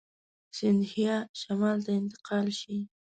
سیندهیا شمال ته انتقال شي.